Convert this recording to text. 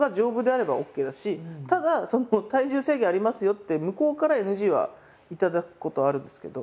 ただ体重制限ありますよって向こうからＮＧは頂くことはあるんですけど。